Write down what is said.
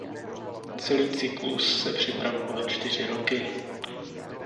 Celý cyklus se připravoval čtyři roky.